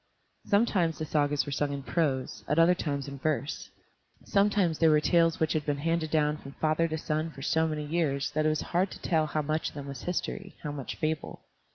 Sometimes the Sagas were sung in prose, at other times in verse. Sometimes they were tales which had been handed down from father to son for so many years that it was hard to tell how much of them was history, how much fable.